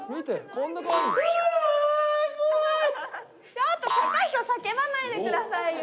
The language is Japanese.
ちょっと高橋さん叫ばないでくださいよ。